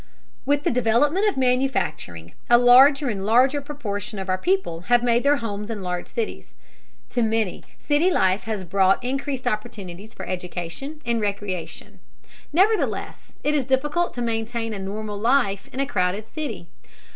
With the development of manufacturing, a larger and larger proportion of our people have made their homes in large cities. To many, city life has brought increased opportunities for education and recreation, nevertheless it is difficult to maintain a normal home life in a crowded city.